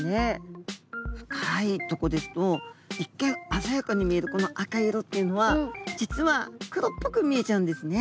深いとこですと一見鮮やかに見えるこの赤い色っていうのは実は黒っぽく見えちゃうんですね。